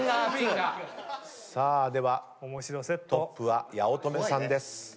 さあではトップは八乙女さんです。